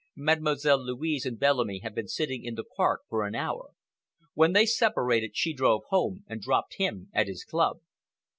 Mademoiselle Louise and Bellamy have been sitting in the Park for an hour. When they separated, she drove home and dropped him at his club.